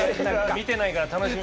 見てないから楽しみ。